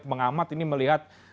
pengamat ini melihat